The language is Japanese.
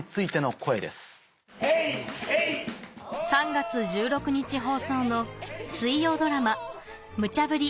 ３月１６日放送の水曜ドラマ『ムチャブリ！